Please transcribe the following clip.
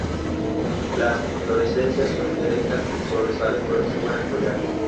Las inflorescencias son erectas y sobresalen por encima del follaje.